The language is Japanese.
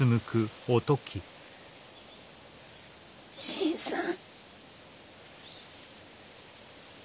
新さん。